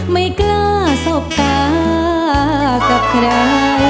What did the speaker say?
ไม่กล้าสบตากับใคร